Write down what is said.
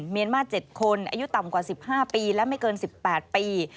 เมียนมาร์๗คนอายุต่ำกว่า๑๕ปีและไม่เกิน๑๘ปี